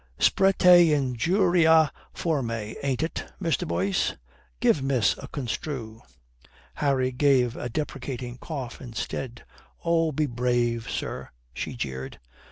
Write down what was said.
Spretae injuria formae, ain't it, Mr. Boyce? Give miss a construe." Harry gave a deprecating cough instead. "Oh, be brave, sir," she jeered.